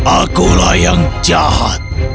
akulah yang jahat